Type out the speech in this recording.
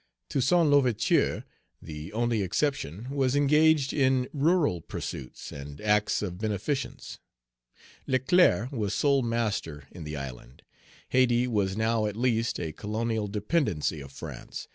Toussaint L'Ouverture, the only exception, was engaged in rural pursuits and acts of beneficence. Leclerc was sole master in the island. Hayti was now at least a colonial dependency of France.